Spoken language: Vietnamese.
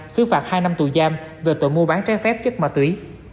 xứ phạt hai năm tù giam về tội mua bán trái phép chất ma túy